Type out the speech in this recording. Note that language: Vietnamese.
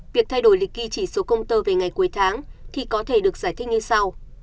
việc thay đổi lịch ghi chỉ số công tơ về ngày cuối tháng thì có thể được giải thích như sau